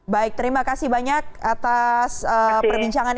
baik terima kasih banyak atas perbincangan